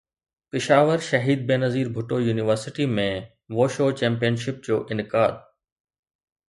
پشاور شهيد Benazir Bhutto university ۾ wushu championship جو انعقاد